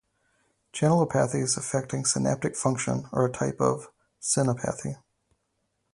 Channelopathies affecting synaptic function are a type of synaptopathy.